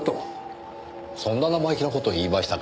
そんな生意気な事を言いましたか。